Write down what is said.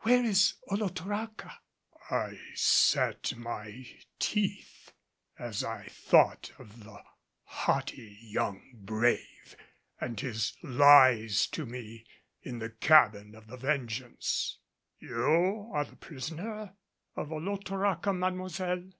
"Where is Olotoraca?" I set my teeth as I thought of the haughty young brave and his lies to me in the cabin of the Vengeance. "You are the prisoner of Olotoraca, Mademoiselle?